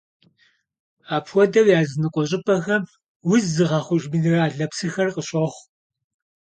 Апхуэдэу языныкъуэ щӀыпӀэхэм уз зыгъэхъуж минеральнэ псыхэр къыщохъу.